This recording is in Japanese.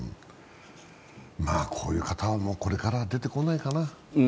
こういう方はこれからは出てこないかな。